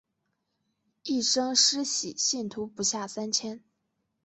一生施洗信徒不下三千。